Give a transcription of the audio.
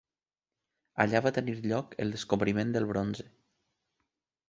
Allà va tenir lloc el descobriment del bronze.